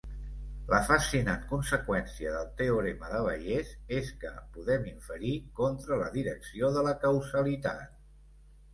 La fascinant conseqüència del teorema de Bayes és que podem inferir contra la direcció de la causalitat.